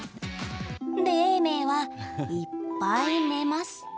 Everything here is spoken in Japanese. で、永明はいっぱい寝ます。